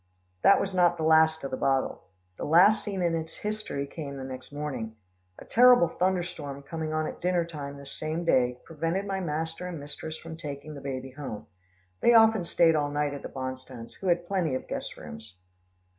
That was not the last of the bottle. The next scene in its history came the next morning. A terrible thunderstorm coming on at dinner time this same day, prevented my master and mistress from taking the baby home. They often stayed all night at the Bonstones', who had plenty of guest rooms.